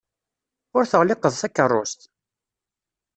Ur teɣliqeḍ takeṛṛust?